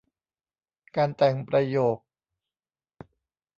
การแต่งประโยค